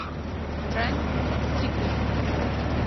Trent Strickland